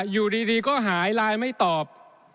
อยู่ดีก็หายไลน์ไม่ตอบ